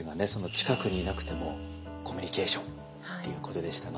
近くにいなくてもコミュニケーションということでしたが。